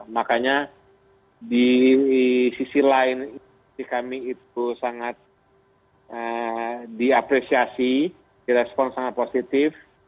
makanya di sisi lain di kami itu sangat diapresiasi di respon sangat positif